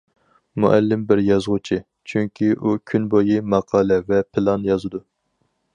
مۇئەللىم بىر يازغۇچى، چۈنكى ئۇ كۈن بويى ماقالە ۋە پىلان يازىدۇ.